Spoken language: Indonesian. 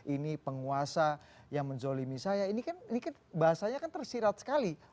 ini penguasa yang menzolimi saya ini kan bahasanya kan tersirat sekali